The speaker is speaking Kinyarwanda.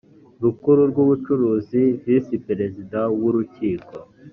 rukuru rw ubucuruzi visi perezida w urukiko